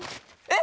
え！